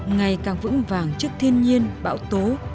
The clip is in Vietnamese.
ngày càng vững vàng trước thiên nhiên bão tố